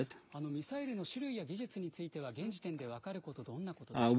ミサイルの種類や技術については現時点で分かること、どんなことでしょうか。